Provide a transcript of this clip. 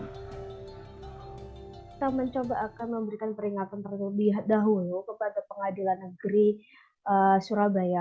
kita mencoba akan memberikan peringatan terlebih dahulu kepada pengadilan negeri surabaya